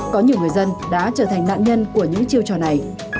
có nhiều người dân đã trở thành nạn nhân của những chiêu trò này